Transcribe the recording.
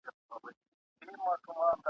له تارونو دي را وایستل تورونه ..